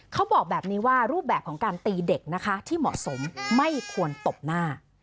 เขาบอกแบบนี้ว่ารูปแบบของการตีเด็กนะคะที่เหมาะสมไม่ควรตบหน้า